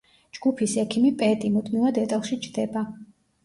ჯგუფის ექიმი პედი, მუდმივად ეტლში ჯდება.